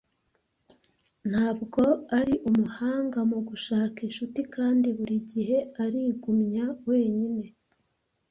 Ntabwo ari umuhanga mu gushaka inshuti kandi buri gihe arigumya wenyine.